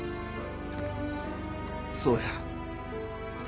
そうや。